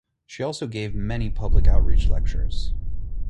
She also gave many public outreach lectures.